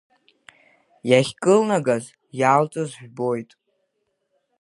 Иахькылнагаз, иалҵыз жәбоит.